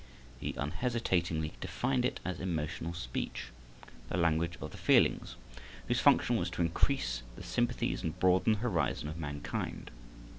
He unhesitatingly defined it as emotional speech, the language of the feelings, whose function was to increase the sympathies and broaden the horizon of mankind.